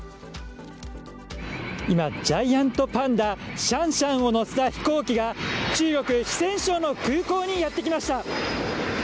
今、ジャイアントパンダシャンシャンを乗せた飛行機が中国・四川省の空港にやってきました。